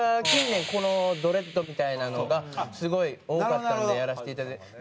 近年このドレッドみたいなのがすごい多かったんでやらせていただいて。